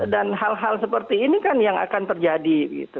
dan hal hal seperti ini kan yang akan terjadi